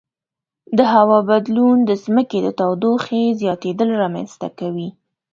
د هوا بدلون د ځمکې د تودوخې زیاتیدل رامنځته کوي.